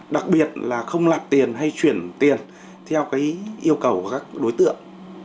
đặc biệt là không nạp tiền hay chuyển tiền theo yêu cầu của các đối tượng